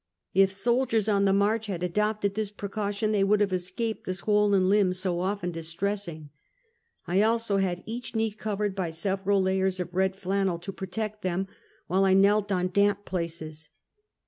If soldiers on the march had adopted this precaution, they would have escaped the swollen limbs so often distressing. I also had each knee covered by several layers of red flannel, to protect them while I knelt on damp places.